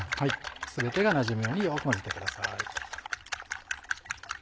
全てがなじむようによく混ぜてください。